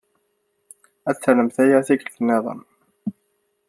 Ad tarmemt aya tikkelt niḍen.